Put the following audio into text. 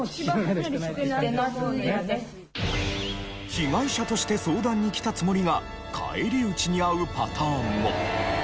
被害者として相談に来たつもりが返り討ちに遭うパターンも。